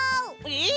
えっ！